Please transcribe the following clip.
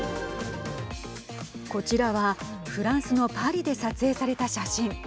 こちらはフランスのパリで撮影された写真。